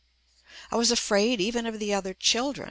I was afraid even of the other children.